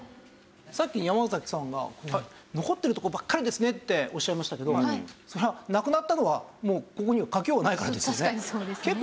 さっき山崎さんが残ってるとこばっかりですねっておっしゃいましたけどそりゃなくなったのはここには書きようがないからですよね。